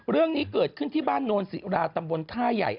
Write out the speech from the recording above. เรื่องนี้เกิดขึ้นที่บ้านโนนศิราตำบลท่าใหญ่